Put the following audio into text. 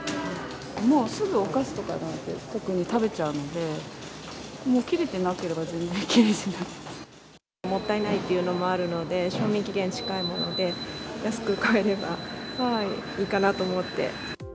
もうすぐ、お菓子とかなんて食べちゃうので、もったいないっていうのもあるので、賞味期限近いもので安く買えればいいかなと思って。